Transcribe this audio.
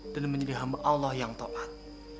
dan menjadi hamba allah yang to'at